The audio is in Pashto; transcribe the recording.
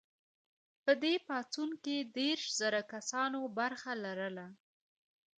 په دې پاڅون کې دیرش زره کسانو برخه لرله.